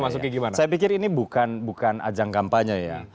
saya pikir ini bukan ajang kampanye ya